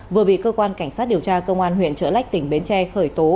vừa bị cơ quan cảnh sát điều tra công an huyện trợ lách tỉnh bến tre khởi tố